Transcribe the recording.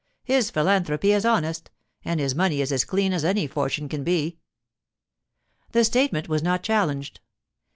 His philanthropy is honest, and his money is as clean as any fortune can be.' The statement was not challenged.